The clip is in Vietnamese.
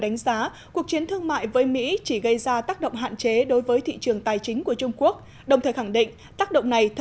đánh giá cuộc chiến thương mại với mỹ chỉ gây ra tác động hạn chế đối với thị trường tài chính của